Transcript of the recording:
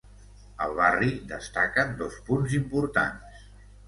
Al barri destaquen dos punts importants.